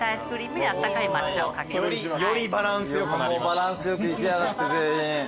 バランス良くいきやがって全員。